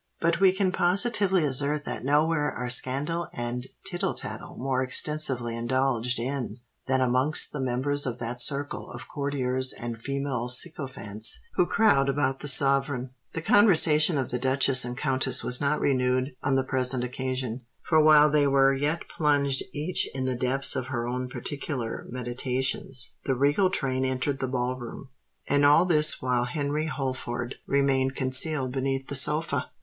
But we can positively assert that nowhere are scandal and tittle tattle more extensively indulged in, than amongst the members of that circle of courtiers and female sycophants who crowd about the sovereign. The conversation of the duchess and countess was not renewed on the present occasion; for while they were yet plunged each in the depths of her own particular meditations, the regal train entered the Ball Room. And all this while Henry Holford remained concealed beneath the sofa!